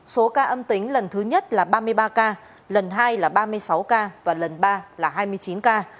số ca âm tính lần thứ nhất là ba mươi ba ca lần hai là ba mươi sáu ca và lần ba là hai mươi chín ca